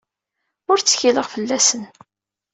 Ur ttkileɣ fell-asen.